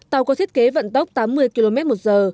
tàu có thiết kế vận tốc tám mươi km một giờ